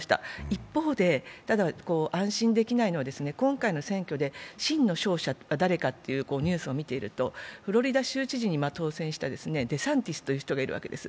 一方で、安心できないのは今回の選挙で真の勝者は誰かというニュースを見ているとフロリダ州知事に当選したデサンティスという人がいるわけです。